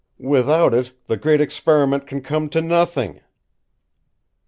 Without it the Great Experiment can come to nothing!"